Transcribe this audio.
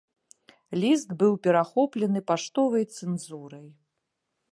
Ліст быў перахоплены паштовай цэнзурай.